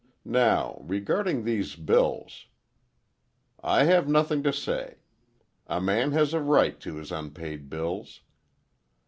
Now, regarding these bills—" "I have nothing to say. A man has a right to his unpaid bills."